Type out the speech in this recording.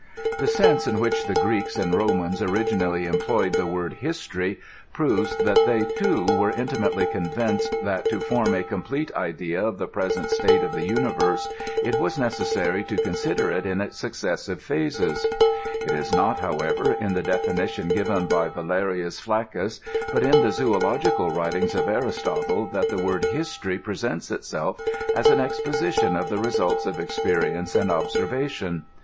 The sense in which the Greeks and Homans originally em ployed the word history proves that they too were intimately convinced that, to form a complete idea of the present state of the universe, it was necessary to consider it in its successive /• INTBODUCTION. 78 phases. It is not, however, in the defmitioii given by Vale rius Ftaccus,* but in the zoological writings of Aristotle, that the word history presents itself as an exposition of the results of experience and observation.